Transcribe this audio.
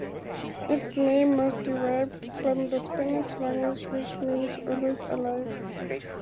Its name was derived from the Spanish language which means "Always Alive".